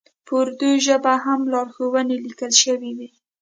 په اردو ژبه هم لارښوونې لیکل شوې وې.